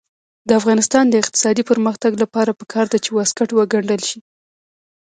د افغانستان د اقتصادي پرمختګ لپاره پکار ده چې واسکټ وګنډل شي.